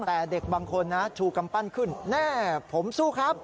แต่เด็กบางคนนะชูกำปั้นขึ้นแน่ผมสู้ครับ